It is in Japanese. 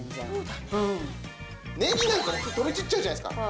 ネギなんか飛び散っちゃうじゃないですか。